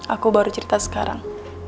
aku baru cerita sekarang